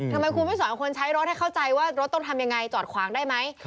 ทำไมคุณไม่สอนคนใช้รถให้เข้าใจว่ารถต้องทำยังไงจอดขวางได้ไหม